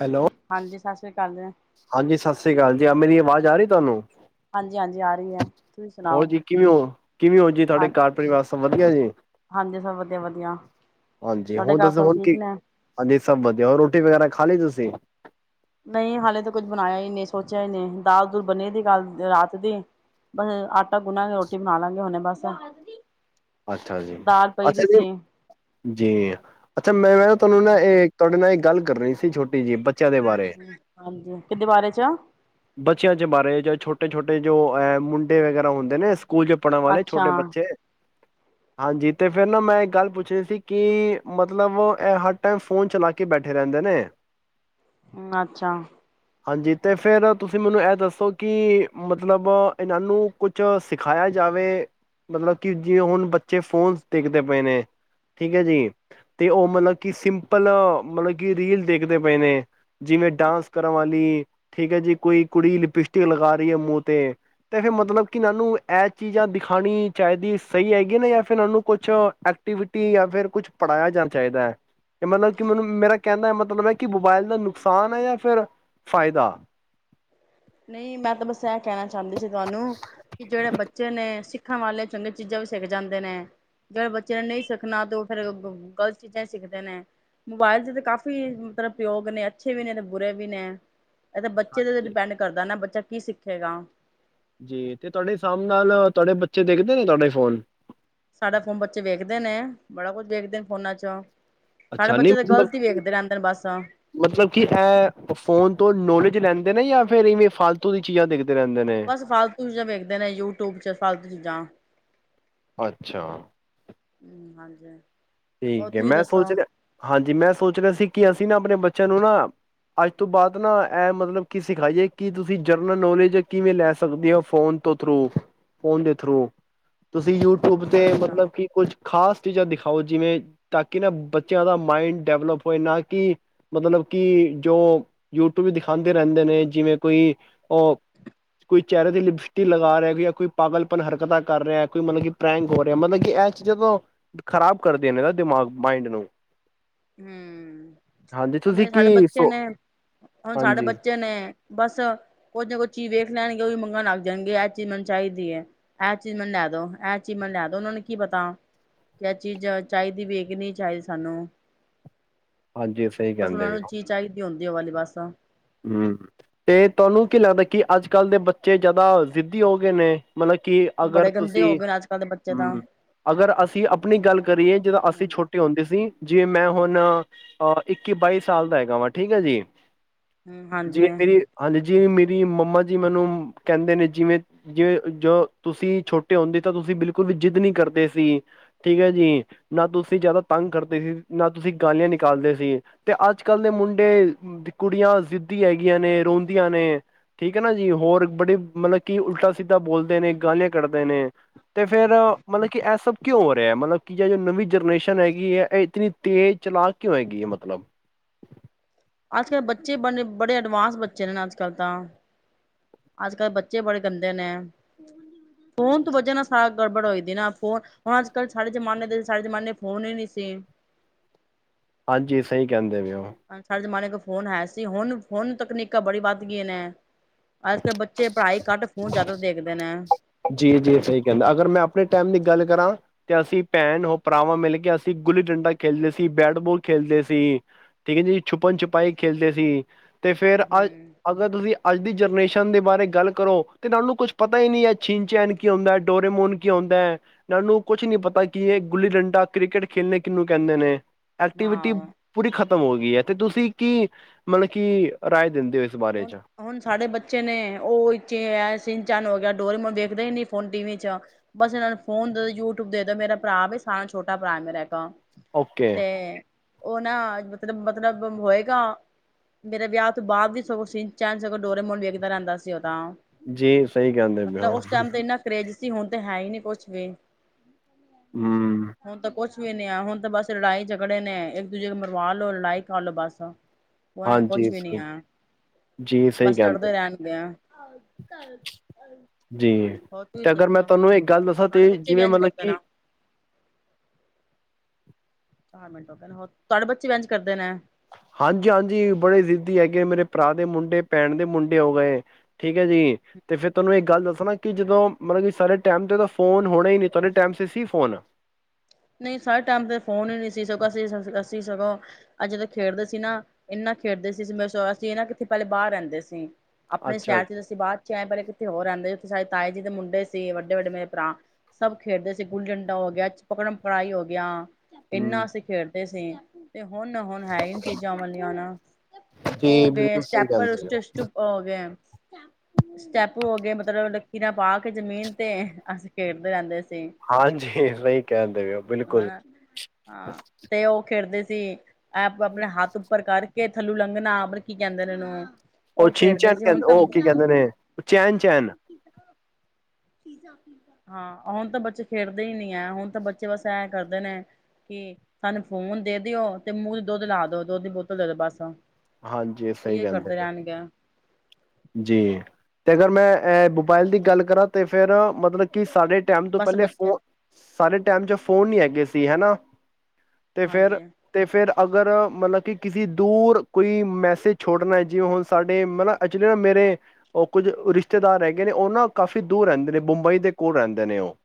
Hello ਹਾਂਜੀ, ਸਤਿ ਸ੍ਰੀ ਕਾਲ ਜੀ। ਹਾਂਜੀ, ਸਤਿ ਸ੍ਰੀ ਕਾਲ ਜੀ ਆ ਮੇਰੀ ਆਵਾਜ਼ ਆ ਰੀ ਏ ਤੁਹਾਨੂੰ। ਹਾਂਜੀ ਹਾਂਜੀ ਆ ਰਹੀ ਹੈ ਤੁਸੀਂ ਸੁਣਾਓ ਹੋਰ ਜੀ ਕਿਵੇਂ ਹੋ ਕਿਵੇਂ ਹੋ ਜੀ ਤੁਹਾਡੇ ਹਾਂ ਘਰ ਪਰਿਵਾਰ ਸਭ ਵਧੀਆ ਜੀ ਹਾਂਜੀ ਸਭ ਵਧੀਆ ਵਧੀਆ ਹਾਂਜੀ ਤੁਹਾਡੇ ਹੋਣ ਘਰ ਦੱਸੋ ਸਭ ਹੋਣ ਕੀ ਠੀਕ ਨੇ ਹਾਂਜੀ ਸਭ ਵਧੀਆ ਰੋਟੀ ਵਗੈਰਾ? ਖਾਲੀ ਤੁਸੀਂ? ਨਹੀਂ ਹਾਲੇ ਤਾਂ ਕੁੱਝ ਬਣਾਇਆ ਈ ਨਹੀਂ ਸੋਚਿਆ ਹੀ ਨਹੀਂ ਦਾਲ ਦੁਲ ਬਣੀ ਦੀ ਕੱਲ ਰਾਤ ਦੀ ਬਸ, ਆਟਾ ਗੁਨਾਗੇ ਰੋਟੀ ਬਣਾ ਲਾਂਗੇ ਹੁਨੇ ਬਸ। ਅੱਛਾ ਜੀ ਦਾਲ ਪਈ ਅੱਛਾ ਦੀ ਜੀ, ਸੀ ਜੀ ਅੱਛਾ ਮੈਂ ਮੈਂ ਨਾ ਤੁਹਾਨੂੰ ਨਾ ਏ ਤੁਹਾਡੇ ਨਾਲ ਏ, ਗੱਲ ਕਰਣੀ ਸੀ ਛੋਟ ਟੀ ਜੀ ਬੱਚਿਆਂ ਦੇ ਬਾਰੇ ਹਾਂਜੀ ਕਿਦੇ ਬਾਰੇ ਚ ਬੱਚਿਆਂ ਚ ਬਾਰੇ ਜਾਂ ਛੋਟੇ ਛੋਟੇ ਨੇ ਜੋਹ ਐ ਮੁੰਡੇ ਵਗੈਰਾ ਹੁੰਦੇ ਨੇ ਸਾ ਸਕੂਲ ਚ ਪੜ੍ਹਨ ਵਾਲੇ ਅੱਛਾ ਛੋਟੇ ਬੱਚੇ, ਹਾਂਜੀ ਤੇ ਫੇਰ ਨਾ ਮੈਂ ਇੱਕ ਗੱਲ ਪੁੱਛਣੀ ਸੀ ਕਿ ਮਤਲਬ ਐ ਹਰ ਟੈਮ ਫੋਨ ਚਲਾ ਕੇ ਬੈਠੇ ਰੈੰਦੇ ਨੇ ਅੱਛਾ। ਹਾਂਜੀ ਤੇ ਫੇਰ ਤੁਸੀਂ ਮੈਨੂੰ ਐ ਦੱਸੋ ਕਿ ਮਤਲਬ ਇਨਾਂ ਨੂੰ ਕੁਛ ਸਿਖਾਇਆ ਜਾਵੇ, ਮਤਲਬ ਕਿ ਜੇ ਹੁਣ ਬੱਚੇ ਫੋਨਸ ਦੇਖਦੇ ਪਏ ਨੇ ਠੀਕ ਹੈ ਜੀ, ਤੇ ਔ ਮਤਲਬ ਕਿ ਸਿੰਪਲ ਮਤਲਬ ਕਿ ਰੀਲ ਦੇਖਦੇ ਪਏ ਨੇ ਜਿਵੇਂ ਡਾਂਸ ਕਰਨ ਵਾਲੀ ਠੀਕ ਹੈ ਜੀ, ਕੋਈ ਕੁੜੀ ਲਿਪਸਟਿਕ ਲਗਾ ਰੀ ਹੈ ਮੂੰਹ ਤੇ, ਤੇ ਫੇਰ ਮਤਲਬ ਕਿ ਇਨਾ ਨੂੰ ਐ ਚੀਜ਼ਾਂ ਦਿਖਾਣੀ ਚਾਈਦੀ ਸਹੀ ਹੈਗੀ ਨੇ ਯਾ ਫੇਰ ਇਨਾਨੂੰ ਕੁਛ ਐਕਟੀਵਿਟੀ ਯਾ ਫਿਰ ਕੁਛ ਪੜ੍ਹਾਇਆ ਜਾਣਾ ਚਾਹੀਦੈ, ਮਤਲਬ ਕਿ ਮੈਨੂੰ ਮੇਰਾ ਕੈਣ ਦਾ ਮਤਲਬ ਐ ਕਿ ਮੋਬਾਇਲ ਦਾ ਨੁਕਸਾਨ ਹੈ ਯਾ ਫਿਰ ਫਾਇਦਾ? ਨਹੀਂ ਮੈਂ ਤਾਂ ਬਸ ਐ ਕੈਣਾ ਚਾੰਦੀ ਸੀ ਤੁਹਾਨੂੰ ਕਿ ਜੇੜੇ ਬੱਚੇ ਨੇ ਸਿਖ ਸਿੱਖਾਂ ਵਾਲਿਆਂ ਚੰਗੀਆਂ ਚੀਜ਼ਾਂ ਵੀ ਸਿੱਖ ਜਾਂਦੇ ਨੇ ਜੇੜੇ ਬੱਚੇ ਨੇ ਨਹੀਂ ਸਿੱਖਣਾ ਤੇ ਔ ਫੇਰ ਗ਼ਲਤ ਚੀਜ਼ਾਂ ਈ ਸਿੱਖਦੇ ਨੇ ਮੋਬਾਇਲ ਦੇ ਤੇ ਕਾਫ਼ੀ ਮਤਲਬ ਪ੍ਰਯੋਗ ਨੇ ਅੱਛੇ ਵੀ ਨੇ ਤੇ ਬੁਰੇ ਵੀ ਨੇ‌। ਐ ਤੇ ਬੱਚੇ ਦੇ ਤੇ ਹਾਂਜੀ ਡਿਪੈਂਡ ਬੱਚਾ ਕੀ ਸਿੱਖੇਗਾ। ਜੀ ਤੇ ਤੁਹੈਡੇ ਸਾਬ ਨਾਲ ਤੁਵੈਡੇ ਬੱਚੇ ਦੇਖਦੇ ਨੇ ਤੁਵੈਡੇ ਫੋਨ? ਸਾਡਾ ਫੋਨ ਬੱਚੇ ਵੇਖਦੇ ਨੇ ਬੜਾ ਕੁਝ ਦੇਖਦੇ ਨੇ ਫੋਨਾਂ ਚ। ਅੱਛਾ ਨਹੀਂ ਮਤਲਬ, ਨੇ ਬਸ ਮਤਲਬ ਕਿ ਐ ਫੋਨ ਤੋਂ ਨੌਲੇਜ ਲੈਂਦ ਨੇ ਯਾ ਫੇਰ ਇਵੇਂ ਫਾਲਤੂ ਦੀ ਚੀਜ਼ਾਂ ਦੇਖਦ ਬੱਸ ਫਾਲਤੂ ਚੀਜ਼ਾਂ ਵੇਖਦੇ ਨੇ, ਯੂਟਿਊਬ ਚ ਫਾਲਤੂ ਚੀਜ਼ਾਂ। ਅੱਛਾ। ਹਮ, ਹਾਂਜੀ। ਹੋਰ ਠੀਕ ਏ ਤੁਸੀਂ ਮੈਂ ਸੋਚ ਦੱਸੋ ਰਿਹਾ, ਹਾਂਜੀ ਮੈਂ ਸੋਚ ਰਿਹਾ ਸੀ ਕਿ ਤੁਸੀਂ ਨਾ ਆਪਣੇ ਬੱਚਿਆਂ ਨੂੰ ਨਾ, ਅੱਜ ਤੋਂ ਬਾਅਦ ਨਾ ਇਹ ਮਤਲਬ ਕੀ ਸਿਖਾਈਏ, ਕਿ ਤੁਸੀਂ ਜਰਨਲ ਨੋਲੇਜ ਕਿਵੇਂ ਲੈ ਸਕਦੇ ਹੋ ਫੋਨ ਤੋਂ ਥਰੂ ਫੋਨ ਦੇ ਥਰੂ। ਤੁਸੀਂ ਯੂਟਿਊਬ ਤੇ ਅੱਛਾ ਮਤਲਬ ਕਿ ਕੁੱਝ ਖਾਸ ਚੀਜ਼ਾਂ ਦਿਖਾਓ ਜਿਵੇਂ ਤਾਂ ਕਿ ਨਾ ਬੱਚਿਆਂ ਦਾ ਮਾਇੰਡ ਡਿਵਲਪ ਹੋਏ। ਨਾ ਕਿ ਮਤਲਬ ਕਿ ਜੋ ਯੂਟਿਊਬ ਦਿਖਾਉਂਦੇ ਰਹਿੰਦੇ ਨੇ ਜਿਵੇਂ ਕੋਈ ਓ ਕੁਈ ਚਿਹਰੇ ਦੀ ਲਿਪਿਸਟੀ ਲਗਾ ਰਿਹਾ ਜਾਂ ਕੋਈ ਪਾਗਲਪਨ ਹਰਕਤਾਂ ਕਰ ਰਿਹਾ ਹੈ ਕੋਈ ਮਤਲਬ ਕਿ ਪ੍ਰੈਕ ਹੋ ਰਿਹਾ ਮਤਲਬ ਕਿ ਇਹ ਚੀਜ਼ਾਂ ਤੋਂ ਖਰਾਬ ਕਰਦੇਨੇ ਦਾ ਦਿਮਾਗ ਮਾਇੰਡ ਨੂੰ ਹਮ ਹਾਂਜੀ ਤੁਸੀਂ ਉਵੇੇ ਸਾਡੇ ਕੀ ਬੱਚੇ ਸੋ ਨੇ ਹੁਣ ਸਾਡੇ ਹਾਂਜੀ ਬੱਚੇ ਨੇ ਬਸ ਕੁੱਝ ਨਾ ਕੁੱਝ ਚੀਜ਼ ਵੇਖ ਲੈਣਗੇ ਉਹ ਵੀ ਮੰਗਣ ਲੱਗ ਜਾਣਗੇ ਇਹ ਚੀਜ਼ ਮੈਨੂੰ ਚਾਹੀਦੀ ਹੈ ਇਹ ਚੀਜ਼ ਮੈਨੂੰ ਲੈ ਦੋ ਇਹ ਚੀਜ਼ ਮੈਨੂੰ ਲੈ ਦੋ ਉਹਨਾਂ ਨੂੰ ਕੀ ਪਤਾ ਕਿ ਇਹ ਚੀਜ਼ ਚਾਹੀਦੀ ਵੀ ਹੈ ਕੀ ਨਹੀਂ ਚਾਹੀਦੀ ਸਾਨੂੰ ਹਾਂਜੀ ਸਹੀ ਕਹਿੰਦੇ ਪਏ ਉਹ ਦਿਓ ਵਾਲੀ ਬੱਸ ਆ। ਹਮ। ਤੇ ਤੁਹਾਨੂੰ ਕੀ ਲੱਗਦਾ ਕੀ ਅੱਜ ਕੱਲ੍ਹ ਦੇ ਬੱਚੇ ਜਾਦਾ ਜ਼ਿਧੀ ਹੋ ਗਏ ਨੇ? ਮਤਲਬ ਕਿ ਅਗਰ ਬੜੇ ਗੰਦੇ ਹੋ ਤੁਸੀਂ ਗਏ ਨੇ ਅੱਜ ਕੱਲ੍ਹ ਦੇ ਬੱਚੇ ਤਾਂ ਹਮ ਅਗਰ ਅਸੀਂ ਅਪਣੀ ਗੱਲ ਟਾਈਮ ਕਰੀਏ ਖਤਮ ਹੋ ਜਿੱਦੋਂ ਹੀ ਅਸੀਂ ਜਾਂਦਾ ਛੋਟੇ ਹੁੰਦੇ ਸੀ ਜਿਵੇਂ ਮੈਂ ਹੁਣ। ਆ ਇੱਕੀ ਬਾਈ ਸਾਲ ਦਾ ਹੈਗਾ ਵਾ ਠੀਕ ਹੈ ਜੀ। ਹਮ ਜਿਵੇ ਹਾਂਜੀ ਮੇਰੀ ਹਾਂ ਜਿਵੇ ਮੇਰੀ। ਵੀ ਮੰਮਾ ਜੀ ਮੈਨੂੰ ਕਹਿੰਦੇ ਨੇ। ਜਿਵੇਂ ਜੇ ਜੋ ਤੁਸੀਂ ਛੋਟੇ ਹੁੰਦੇ ਤਾਂ ਮੰਮਾ ਜੀ ਮੈਨੂੰ ਕਹਿੰਦੇ ਜਿਵੇ ਜਦੋ ਤੁਸੀ ਛੋਟੇ ਹੁੰਦੇ ਸੀ ਤਾਂ ਬਿਲਕੁਲ ਵੀ ਜਿੱਦ ਨਈ ਕਰਦੇ ਸੀ। ਠੀਕ ਹੈ ਜੀ ਨਾ ਤੁਸੀਂ ਜਾਦਾ ਤੰਗ ਕਰਦੇ ਸੀ ਨਾ ਤੁਸੀਂ ਗਾਲੀਆਂ ਨਿਕਾਲਦੇ ਸੀ ਤੇ ਅੱਜ ਕੱਲ ਦੇ ਮੁੰਡੇ ਤੇ ਕੁੜੀਆਂ। ਜਿਧੀ ਹੈਗੀਆਂ ਨੇ ਰੋਂਦੀਆਂ ਨੇ ਠੀਕ ਹੈ ਨਾ ਜੀ ਹੋਰ ਬੜੀ ਮਲਕ ਕੀ ਉਲਟਾ ਸ ਸਿੱਧਾਂ ਬੋਲਦੇ ਨੇ ਗਾਲੀਆਂ ਕੱਢਦੇ ਨੇ ਤੇ ਫੇਰ ਮਤਲਬ ਕਿ ਐ ਸਭ ਕਿਉਂ ਹੋ ਰਿਐ। ਮਲਬ ਕਿ ਜੇੜੀ ਨਵੀਂ ਜਰਨੇਸ਼ਨ ਹੈਗੀ ਐ। ਏ ਇਤਨੀ ਤੇਜ਼ ਚਲਾਕ ਕਿਉਂ ਹੈਗੀ ਐ ਮਤਲਬ? ਅੱਜ ਕੱਲ੍ਹ ਬੱਚੇ ਬਨੇ ਬੜੇ ਐਡਵਾਂਸ ਬੱਚੇ ਨੇ ਅੱਜ ਕੱਲ੍ਹ ਤਾਂ ਅੱਜ ਕੱਲ੍ਹ ਬੱਚੇ ਬੜੇ ਗੰਦੇ ਨੇ ਫੋਨ ਤੋਂ ਵਜ੍ਹਾ ਨਾਲ ਸਾਰ ਗੜਬੜ ਹੋਈ ਦੀ ਨਾ ਫੋਨ ਹੁਣ ਅੱਜ ਕੱਲ੍ਹ ਸਾਰੇੇ ਜ਼ਮਾਨੇ ਦੇ ਸਡੇ ਜ਼ਮਾਨੇ ਫੋਨ ਹੀ ਨਈ ਸੀ। ਹਾਂਜੀ। ਸਈ ਕਹਿੰਦੇ ਪੇ ਓ। ਹਾਂ। ਸਾਡੇ ਜਮਾਨੇ ਗ। ਫੋਨ ਹੈ ਸੀ। ਹੁਣ- ਹੁਣ ਤਕਨੀਕਾਂ ਬੜੀ ਵੱਧ ਗਈਆਂ ਨੇ। ਅੱਜ ਕੱਲ੍ਹ ਬੱਚੇ ਪੜ੍ਹਾਈ ਘੱਟ ਫੋਨ ਜ਼ਿਆਦਾ ਦੇਖਦੇ ਨੇ। ਜੀ-ਜੀ, ਸਈ ਕਹਿੰਦਾ ਅਗਰ ਮੈਂ ਆਪਣੇ ਟੈਮ ਦੀ ਗੱਲ ਕਰਾਂ ਤੇ ਅਸੀਂ ਭੈਣ ਹੋ ਭਰਾਵਾਂ ਮਿਲ ਕੇ ਅਸੀਂ ਗੁੱਲੀ ਡੰਡਾ ਖੇਲਦੇ ਸੀ, ਬੈਟਬੋਲ ਖੇਲਦੇ ਸੀ, ਠੀਕ ਹੈ ਜੀ ਛੁਪਣ ਛੁਪਾਈ ਖੇਲਦੇ ਸੀ। ਤੇ ਫੇਰ ਅੱਜ ਹੂੰ ਅਗਰ ਤੁਸੀਂ ਅੱਜ ਦੀ ਜਰਨੇਸ਼ਨ ਦੇ ਬਾਰੇ ਗੱਲ ਕਰੋ ਤੇ ਉਨ੍ਹਾਂ ਨੂੰ ਕੁੱਛ ਪਤਾ ਈ ਨਈ ਐ। ਸ਼ੀਨ ਸ਼ੇਨ ਕੀ ਹੁੰਦਾ, ਡੋਰੇਮੋਨ ਕੀ ਹੁੰਦੇ, ਇਹਨਾਂ ਨੂੰ ਕੁਛ ਨੀ ਪਤਾ ਕਿ ਇਹ ਗੁੱਲੀ ਡੰਡਾ, ਕ੍ਰਿਕਟ ਖੇਲਣੇ ਕਿਨੂੰ ਕਹਿੰਦੇ ਨੇ। ਐਕਟੀਵਿਟੀ ਹਾਂ ਪੂਰੀ ਖ਼ਤਮ ਹੋ ਗਈ ਐ ਤੇ ਤੁਸੀਂ ਕੀ ਮਲਕ ਕੀ ਰਾਏ ਦਿੰਦੇ ਹੋ ਇਸ ਬਾਰੇ ਹੁਣ ਚ ਹੁਣ ਸਾਡੇ ਬੱਚੇ ਨੇ ਉਹ ਇ ਚੇ ਐ ਸਿੰਨਚੈਨ ਹੋ ਗਿਆ। ਡੋਰੀ ਮੋਨ ਦੇਖਦੇ ਈ ਨੀ ਹੋਨ ਟੀ ਵੀ ਚ ਬਸ ਏਨਾ ਨੂੰ ਫੋਨ ਦੇ ਦੋ ਯੂਟੁਬ ਦੇ ਦੋ ਮੇਰਾ ਭਰਾ ਵੇ ਸਾਰਾ ਛੋਟਾ ਭਰਾ ਏ ਮੇਰਾ ਇਕ ਓਕੇ। ਉਨਾ ਮਤਲਬ-ਮਤਲਬ ਹੋਏਗਾ ਮੇਰੇ ਵਿਆਹ ਤੋਂ ਬਾਅਦ ਵਿੱਚ ਸਗੋਂ ਸਿੰਨ ਚੇਣ ਸਗੋ ਡਰੇਮੋਨ ਵੇਖਦਾ ਰਹਦਾ ਸੀ ਉ,। ਜੀ ਸਹੀ ਕਹਿੰਦੇ ਪੇ ਓ। ਜੀ ਹੁਣ ਤੇ ਹੈ ਈ ਨੀ ਕੁਛ ਵੀ। ਹਮ। ਆ ਹੁਣ ਤਾਂ ਬਸ ਲੜਾਈ ਝਗੜੇ ਨੇ ਇੱਕ ਦੂਜੇ ਮਰਵਾ ਲੋ ਲੜਾਈ ਕਾ ਲੋ ਬਸ। ਉਏ ਹਾਂਜੀ ਕੁਛ ਵੀ ਨੀ ਸਹੀ ਆ। ਜੀ ਸਹੀ ਕਹਿੰਦੇ ਓ। ਜੀ ਹੋਰ ਤੁਸੀਂ ਤੇ ਅਗਰ ਮੈਂ ਦੱਸੋ ਤੁਹਾਨੂੰ ਇੱਕ ਗੱਲ ਦੱਸਾਂ ਤੇ ਤੁਹਾਡੇ ਬੱਚੇ ਵੀ ਜਿਵੇਂ ਇੰਝ ਮਤਲ ਕਰਦੇ ਕਿ ਨੇ ਚਾਰ ਮਿੰਟ ਹੋ ਗੇ ਨੇ ਹੋਰ। ਤੁਹਾਡੇ ਬੱਚੇ ਏਜ ਕਰਦੇ ਨ? ਹਾਂਜੀ -ਹਾਂਜੀ ਬੜੇ ਜਿਧੀ ਹੈਗੇ। ਮੇਰੇ ਭਰਾ ਦੇ ਮੁੰਡੇ, ਭੈਣ ਦੇ ਮੁੰਡੇ ਹੋ ਗਏ ਠੀਕ ਐ ਜੀ ਤੇ ਫੇਰ ਤੋਨੂੰ ਇੱਕ ਗੱਲ ਦੱਸਣਾ ਕਿ ਜਦੋਂ ਮਲਕ ਕਿ ਸਾਡੇ ਟੈਮ ਤੇ ਤਾਂ ਫੋਨ ਹੋਣੇ ਈ ਨੀ। ਤੁਹਾਡੇ ਟੈਮ ਤੇ ਸੀ ਫੋਨ? ਨਈ ਸਾਡੇ ਟੈਮ ਤੇ ਫੋਨ ਈ ਨਈ ਸੀ ਸਗੋਂ ਅਸੀਂ ਅਸੀਂ ਸਗੋਂ ਐ ਜਦੋ ਖੇਡਦੇ ਸੀ ਨਾ ਏਨਾ ਨਾ ਖੇਡਦੇ ਸੀ। ਅਸੀਂ ਨਾ ਕਿੱਥੇ ਪਹਲੇ ਬਾਰ ਰਹਿੰਦੇ ਸੀ। ਆਪਣੇ ਅੱਛਾ ਸ਼ਹਿਰ ਚ ਅਸੀਂ ਬਾਦ ਚ ਆਏ ਪਹਿਲੇ ਕਿਥੇ ਹੋਰ ਰਹਿੰਦੇ ਸਾਡੇ ਤਾਏ ਜੀ ਦੇ ਮੁੰਡੇ ਸੀ ਵੱਡੇ ਵੱਡੇ ਮੇਰੇ ਭਰਾ ਸਭ ਖੇਡਦੇ ਸੀ ਗੁੱਲੀ ਡੰਡਾ ਹੋ ਗਿਆ ਪਕੜਮ ਪੜਾਈ ਹੋ ਗਿਆ। ਏਨਾ ਹੂੰ ਅਸੀਂ ਖੇਡਦੇ ਸ ਤੇ ਹੁਣ -ਹੁਣ ਹੈ ਈ ਨੀ ਚੀਜ਼ਾਂ ਓ ਵਲੀਆਂ ਹੁਣ। ਓ ਹੋ ਜੀ ਗਏ ਬਿਲਕੁਲ ਸਹੀ ਸਟੈਪਰ ਕਹਿੰਦੇ ਹੋ ਸਟੁ ਹੋ ਗਏ ਸਟੈਪੂ ਹੋ ਗੇ। ਮਤਲਬ ਲਕੀਰਾਂ ਪਾ ਕੇ ਜਮੀਨ ਤੇ ਅਸੀਂ ਖੇਡਦੇ ਰਹਿੰਦੇ ਸੀ। ਹਾਂ, ਜੇਲਣ ਕਿਆ। ਹਨਾ। ਹਾਂ, ਤੇ ਉਹ ਖੇਡਦੇ ਸ ਤੇ ਵੇ ਆਪਣੇ ਹੱਥ ਉੱਪਰ ਕਰ ਕੇ ਥੱਲੂ ਲੰਘਣਾ। ਬਰ ਕੀ ਕਹਿੰਦੇ ਨੇ ਓਨੁ ਉਹ ਛਿਨਚੈਨ ਕਹਦ ਉਹ ਕੀ ਕਹਿੰਦੇ ਨੇ ਚੈਨ- ਚੈਨ। ਹਾਂ ਹੁਣ ਤਾਂ ਬੱਚੇ ਖੇਡਦੇ ਈ ਨਈ ਐ। ਹੁਣ ਤਾਂ ਬੱਚੇ ਬਸ ਐ ਕਰਦੇ ਨੇ ਕਿ ਸਾਨੂੰ ਫੋਨ ਦੇ ਦਿਓ ਤੇ ਮੂੰਹ ਦੀ ਦੁੱਧ ਲਾ ਦੋ, ਦੁੱਧ ਦੀ ਬੋਤਲ ਦੇ ਦੋ ਬਸ। ਹਾਂਜੀ ਸਹੀ ਇ ਕਹਿੰਦੇ ਕਰਦੇ ਪਏ ਹੋ। ਰਹਿਣਗੇ ਜੀ। ਤੇ ਅਗਰ ਮੈਂ ਅ ਮੋਬਾਇਲ ਦੀ ਗੱਲ ਕਰਾਂ ਤੇ ਫਿਰ ਮਤਲਬ ਕਿਸ ਸਾਡੇ ਟਾਈਮ ਤੋਂ ਬਸ ਪਹਿਲੇ ਬੱਚੇ ਫੋਨ ਸਾਡੇ ਟਾਈਮ ਚ ਫੋਨ ਨਹੀਂ ਹੈਗੇ ਸੀ ਹੈਨਾ। ਤੇ ਹਾਂਜੀ ਫਿਰ-ਤੇ ਫਿਰ ਅਗਰ ਮਤਲਬ ਕਿ ਕਿਸੀ ਦੂਰ ਕੋਈ ਮੈਸੇਜ ਛੋੜਣਾ ਜਿਵੇਂ ਹੁਣ ਸਾਡੇ ਮਤਲਬ ਜਿਵੇ ਉਹ ਮੇਰੇ ਉਹ ਕੁੱਝ ਰਿਸ਼ਤੇਦਾਰ ਹੈਗੇ ਨੇ ਉਹ ਨਾ ਕਾਫੀ ਦੂਰ ਰਹਿੰਦੇ ਨੇ ਬੰਬਈ ਦੇ ਕੋਲ ਰਹਿੰਦੇ ਨੇ ਉਹ।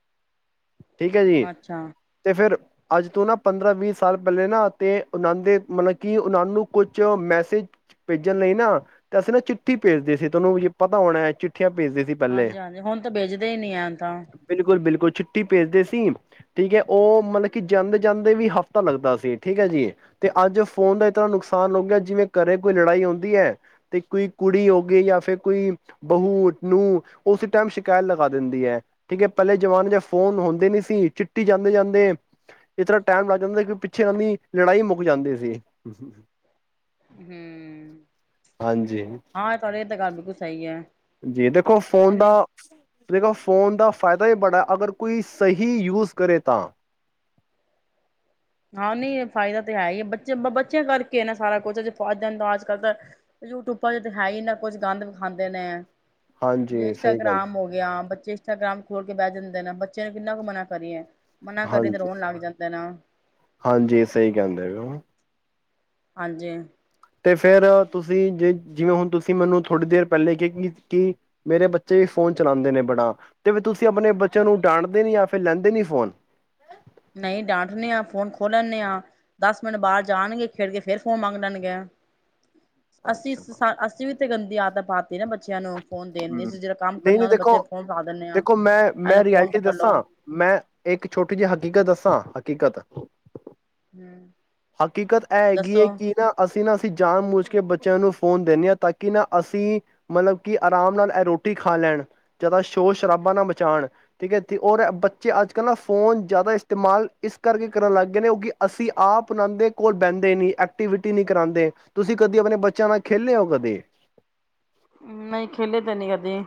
ਠੀਕ ਹੈ ਜੀ ਅੱਛਾ ਤੇ ਫਿਰ ਅੱਜ ਤੋਂ ਨਾ ਪੰਦਰਾਂ ਵੀਹ ਸਾਲ ਪਹਿਲੇ ਨਾ ਤੇ ਉਹਨਾਂ ਦੇ ਮਤਲਬ ਕਿ ਉਹਨਾਂ ਨੂੰ ਕੁਛ ਮੈਸੇਜ ਭੇਜਣ ਲਈ ਨਾ ਤੇ ਅਸੀਂ ਨਾ ਚਿੱਠੀ ਭੇਜਦੇ ਸੀ ਤੁਹਨੂੰ ਵੀ ਪਤਾ ਹੋਣਾ ਭੇਜਦੇ ਸੀ ਪਹਿਲੇ ਹਾਂਜੀ ਹਾਂਜੀ ਹੁਣ ਤਾਂ ਭਜਦੇ ਹੀ ਨਹੀਂੀ ਐ ਤਾਂ ਛੁੱਟੀ ਭੇਜਦੇ ਸੀ ਠੀਕ ਹੈ ਉਹ ਮਤਲਬ ਕਿ ਜਾਂਦੇ ਜਾਂਦੇ ਵੀ ਹਫ਼ਤਾ ਲੱਗਦਾ ਸੀ ਠੀਕ ਹੈ ਜੀ ਤੇ ਅੱਜ ਫੋਨ ਦਾ ਇਤਨਾ ਨੁਕਸਾਨ ਹੋ ਗਿਆ ਜਿਵੇਂ ਘੇ ਕੋਈ ਲੜਾਈ ਆਉਂਦੀ ਹੈ ਤੇ ਕੋਈ ਕੁੜੀ ਹੋ ਗਈ ਜਾਂ ਫਿਰ ਕੋਈ ਬਹੂ ਨੂੰਹ ਉਸ ਟਾਈਮ ਸ਼ਿਕਾਇਤ ਲਗਾ ਦਿੰਦੀ ਹੈ ਠੀਕ ਹੈ ਪਹਿਲੇ ਜਮਾਨੇ ਚ ਫ਼ੋਨ ਹੁੰਦੇ ਨੀ ਸੀ ਚਿੱਟੀ ਜਾਂਦੇ ਜਾਂਦੇ ਇਸ ਤਰ੍ਹਾਂ ਟਾਈਮ ਲੱਗ ਜਾਂਦਾ ਕਿ ਪਿੱਛੇ ਕਦੀ ਲੜਾਈ ਮੁੱਕ ਜਾਂਦੀ ਸੀ ਹੂੰ ਹਾਂਜੀ ਹਾਂ ਤੁਹਾਡੇ ਇਹ ਤਾਂ ਗੱਲ ਬਿਲਕੁਲ ਸਹੀ ਹੈ ਜੀ ਦੇਖੋ ਫੋਨ ਦਾ ਉਹਨੇ ਦੇਖੋ ਫੋਨ ਦਾ ਫਾਇਦਾ ਵੀ ਬੜਾ ਅਗਰ ਕੋਈ ਸਹੀ ਯੂਜ਼ ਕਰੇ ਤਾਂ ਹਾਂ ਨੀ ਫਾਇਦਾ ਤਾਂ ਹੈ ਹੀ ਬੱਚੇ ਬੱਚਿਆਂ ਕਰਕੇ ਨਾ ਸਾਰਾ ਕੁਛਜੇ ਫਾਇਦਾਦਾ ਅੱਜ ਕੱਲ ਤਾਂ ਯੂਟਿਊਬਾਂ ਤਾਂ ਹੈ ਹੀ ਨਾ ਕੁਛ ਗੰਦ ਵੀਖਾਂਦੇ ਨੇ ਜ ਹਾਂਜੀ ਸਹੀ ਗੱਲ ਇੰਸਟਾਗ੍ਰਾਮ ਹੋ ਗਿਆ ਬੱਚੇ ਇਾ ਗ੍ਰਾਮ ਖੋਲ ਕੇ ਬਹਿ ਜਾਂਦੇ ਨੇ ਬੱਚਿਆਂ ਨੂੰ ਕਿੰਨਾ ਕੁ ਮਨਾ ਕਰੀਏ ਮਨਾ ਕਰੀ ਤੇ ਹਾਂਜੀ ਰੋਣ ਲੱਗ ਜਾਂਦਾ ਨਾ ਹਾਂਜੀ ਸਹੀ ਕਹਿੰਦੇ ਹਾਂਜੀ ਤੇ ਫੇਰ ਤੁਸੀਂ ਜੇ ਜਿਵੇਂ ਹੁਣ ਤੁਸੀਂ ਮੈਨੂੰ ਥੋੜ੍ਹੀ ਦੇਰ ਪਹਿਲੇ ਕਿ ਮੇਰੇ ਬੱਚੇ ਵੀ ਫੋਨ ਚਲਾਉਂਦੇ ਨੇ ਬੜਾ ਤੇ ਤੁਸੀਂ ਆਪਣੇ ਬੱਚਿਆਂ ਨੂੰ ਡਾਂਟਦੇ ਨੀ ਜਾਂ ਫਿਰ ਲੈਂਦੇ ਨੀ ਫੋਨ ਨਹੀਂ ਡਾਂਟਦੇ ਆ ਫੋਨ ਖੋਲ ਲੈਂਦੇ ਆਾਂ ਦਸ ਮਿੰਟ ਬਾਹਰ ਜਾਣਗੇ ਖੇਡ ਕੇ ਫੇਰ ਫੋਨ ਮੰਗ ਲੈਣਗੇ ਅਸੀਂ ਅੱਛਾ ਅਸੀਂ ਵੀ ਇੱਥੇ ਗੰਦੀ ਆਦਤ ਪਾਤੀ ਨਾ ਬੱਚਿਆਂ ਨੂੰ ਫੋਨ ਦੇਣ ਦਿੰਦੇ ਹਮ ਅਸੀਂ ਜਿਹੜਾ ਕੰਮ ਨਹੀਂ ਕਰਨਾ ਨਹੀਂ ਉਹਨੂੰ ਬੱਚੇ ਦੇਖੋ ਫੋਨ ਫੜਾ ਦਿੰਦੇ ਹਾਂ ਦੇਖੋ ਮੈਂ ਆ ਮੈਂ ਲਓ ਫੋਨ ਰਿਐਲਿਟੀ ਪਕੜ ਦੱਸਾਂ ਲਓ ਮੈਂ ਇੱਕ ਛੋਟੀ ਜਿਹੀ ਹਕੀਕਤ ਹਕੀਕਤ ਹੂੰ ਹਕੀਕਤ ਇਹ ਹੈਗੀ ਹੈ ਦੱਸੋ ਕਿ ਨਾ ਅਸੀਂ ਨਾ ਅਸੀਂ ਜਾਣ ਮੁਜ ਕਿ ਬੱਚਿਆਂ ਨੂੰ ਫੋਨ ਦਿੰਦੇ ਹਾਂ ਤਾਂ ਕਿ ਨਾ ਅਸੀਂ ਮਤਲਬ ਕਿ ਆਰਾਮ ਨਾਲ ਇਹ ਰੋਟੀ ਖਾ ਲੈਣ ਜਿਆਦਾ ਸ਼ੋਰ ਸ਼ਰਾਬਾ ਨਾਲ ਮਚਾਉਣ ਠੀਕ ਹੈ ਤੇ ਔਰ ਬੱਚੇ ਅੱਜ ਕੱਲ੍ਹ ਨਾ ਫੋਨ ਜ਼ਿਆਦਾ ਇਸਤੇਮਾਲ ਇਸ ਕਰਕੇ ਕਰਨ ਲੱਗ ਗਏ ਨੇ ਕਿਉਕਿ ਅਸੀਂ ਆਪ ਉਹਨਾਂ ਦੇ ਕੋਲ ਬਹਿੰਦੇ ਨਹੀਂ ਐਕਟੀਵਿਟੀ ਨਹੀਂ ਕਰਾਂਦੇ ਤੁਸੀਂ ਕਦੇ ਆਪਣੇ ਬੱਚਿਆਂ ਨਾਲ ਖੇਲੇ ਹੋ ਕਦੀ ਨਹੀਂ ਖੇਲੇ ਤੇ ਨੀ ਕਦੇ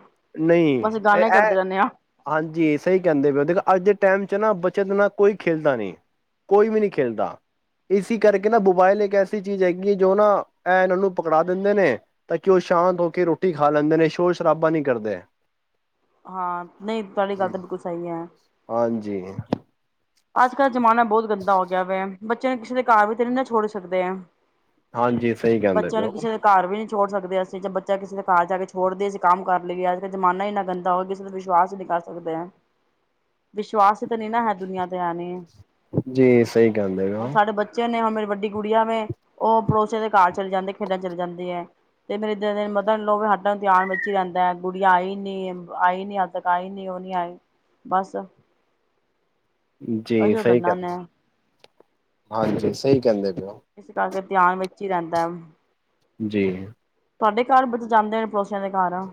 ਨਹੀਂ ਬਸ ਇਹ ਗਾਣੇ ਇਹ ਕਰਦੇ ਰਹਿੰਦੇ ਹਾਂ ਹਾਂਜੀ ਸਹੀ ਕਹਿੰਦੇ ਵੀ ਉਹ ਦੇਖੋ ਅੱਜ ਟਾਈਮ ਚ ਨਾ ਬਚਤ ਨਾ ਕੋਈ ਖੇਲਦਾ ਨਹੀਂ ਕੋਈ ਵੀ ਨਹੀਂ ਖੇਲਦਾ ਇਸ ਕਰਕੇ ਨਾ ਮੋਬਾਇਲ ਇੱਕ ਐਸੀ ਚੀਜ਼ ਹੈਗੀ ਹੈ ਜੋ ਨਾ ਇਹ ਇਹਨਾਂ ਨੂੰ ਪਕੜਾ ਦਿੰਦੇ ਨੇ ਤਾਂ ਕਿ ਸ਼ਾਂਤ ਹੋ ਕੇ ਰੋਟੀ ਖਾ ਲੈਂਦੇ ਨੇ ਸੋ ਸ਼ਰਾਬਾ ਨਹੀਂ ਕਰਦੇ ਹਾਂ ਨਹੀਂ ਤੁਹਾਡੀ ਗੱਲ ਤਾਂ ਬਿਲਕੁਲ ਸਹੀ ਹੈ ਹਾਂਜੀ ਅੱਜ ਕੱਲ੍ਹ ਜ਼ਮਾਨਾ ਬਹੁਤ ਗੰਦਾ ਹੋ ਗਿਆ ਵਾ ਬੱਚੇ ਨੂੰ ਕਿਸੇ ਦੇ ਘਰ ਵੀ ਤੇ ਨੀ ਨਾ ਛੋੜ ਸਕਦੇ ਆ ਹਾਂਜੀ ਸਹੀ ਕਹਿੰਦੇ ਪਏ ਹੋ ਘਰ ਵੀ ਨਹੀਂ ਛੋੜ ਸਕਦੇ ਹਾਂ ਅਸੀਂ ਜਾਂ ਬੱਚਾ ਕਿਸੇ ਦੇ ਘਰ ਜਾ ਕੇ ਛੋੜਦੇ ਅਸੀਂ ਕੰਮ ਕਰ ਲਈਏ ਅੱਜ ਕੱਲ ਜ਼ਮਾਨਾ ਇੰਨਾ ਗੰਦਾ ਹੋਵੇ ਕਿਸੇ ਵਿਸ਼ਵਾਸ ਹੀ ਨਹੀਂ ਕਰ ਸਕਦੇ ਵਿਸ਼ਵਾਸ ਹੀ ਤਾਂ ਨ ਨਾ ਹੈ ਦੁਨੀਆਂ ਹੈ ਨੀ ਜੀ ਸਹੀ ਕਹਿੰਦੇ ਪਏ ਹੁਣ ਹੋ ਸਾਡੇ ਬੱਚੇ ਨੇ ਹੁਣ ਮੇਰੀ ਵੱਡੀ ਗੁੜੀਆਂ ਵੈ ਉਹ ਪੜੋਸੇ ਦੇ ਕਾਰ ਚਲੇ ਜਾਂਦੇ ਖੇਡਣ ਚਲੇ ਜਾਂਦੀ ਹੈ ਤੇ ਮੇਰੇ ਦਿਨ ਦਿਨ ਮਤਾਬ ਲੋ ਸਾਡਾ ਧਿਆਨ ਵਿੱਚ ਹੀ ਰਹਿੰਦਾ ਹੈ ਗੁੜੀਆਂ ਆਈ ਨੀ ਆਈ ਨੀ ਹਲੇ ਤੱਕ ਆਈ ਨੀ ਉਹ ਨੀ ਆਈ ਬਸ ਜੀ ਇਹੀਓ ਸਹੀ ਗੱਲਾਂ ਗੱਲ ਨੇ ਹਾਂਜੀ ਸਹੀ ਕਹਿੰਦੇ ਪਏ ਹੋ ਇਸ ਕਰਕੇ ਧਿਆਨ ਵਿੱਚ ਹੀ ਰਹਿੰਦਾ ਜੀ ਤੁਹਾਡੇ ਘਰ ਵਿੱਚ ਜਾਂਦੇ ਨੇ ਪੜੋਸੀਆਂ ਦੇ ਘਰ ਆ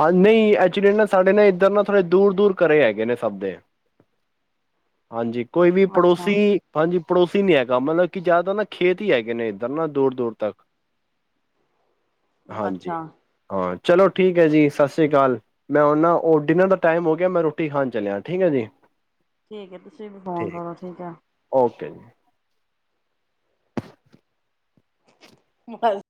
ਹਾਂ ਨਹੀਂ ਐਕਚੁਲੀ ਨਾ ਸਾਡੇ ਨਾ ਇੱਧਰ ਨਾ ਥੋੜੇ ਦੂਰ ਦੂਰ ਕਰੇ ਹੈਗੇ ਨੇ ਸਭ ਦੇ ਹਾਂਜੀ ਕੋਈ ਵੀ ਅੱਛਾ ਪੜੋਸੀ ਪੰਜ ਪੜੋਸੀ ਨੀ ਹੈਗਾ ਮਤਲਬ ਕਿ ਜ਼ਿਆਦਾਤਰ ਨਾ ਖੇਤ ਹੀ ਹੈਗੇ ਨੇ ਇੱਧਰ ਨਾ ਦੂਰ ਦੂਰ ਤੱਕ ਹਾਂਜੀ ਅੱਛਾ ਹਾਂ ਚਲੋ ਠੀਕ ਹੈ ਜੀ ਸਤਿ ਸ਼੍ਰੀ ਅਕਾਲ ਮੈਂ ਉਹਨਾ ਉਹ ਡਿਨਰ ਦਾ ਟਾਈਮ ਹੋ ਗਿਆ ਮੈਂ ਰੋਟੀ ਖਾਣ ਚੱਲਿਆ ਠੀਕ ਹੈ ਜੀ ਠੀਕ ਤੁਸੀਂ ਵੀ ਫ਼ੋਨ ਕਰੋ ਠੀਕ ਆ ਓਕੇ ਜੀ। ਬੱਲ [unintelligible]